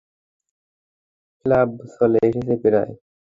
Cab চলে এসেছে প্রায়।